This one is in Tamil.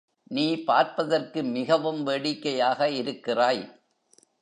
நீ பார்ப்பதற்கு மிகவும் வேடிக்கையாக இருக்கிறாய்.